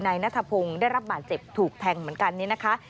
นายนัทพงศ์ได้รับบาดเจ็บถูกแทงเหมือนกันนี่นะคะ